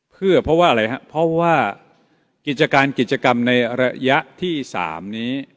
เพื่อเพราะว่าอะไรครับเพราะว่ากิจการกิจกรรมในระยะที่๓นี้